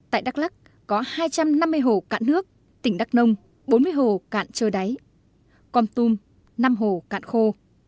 tại đắk lắc có hai trăm năm mươi hồ cạn nước tỉnh đắk nông bốn mươi hồ cạn trơ đáy con tum năm hồ cạn khô